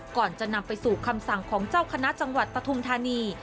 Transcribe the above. ก่อนจะนำไปสู่คำสั่งของเจ้าคณะจังหวัดปฐุมธานี